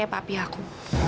ini surat dari anakku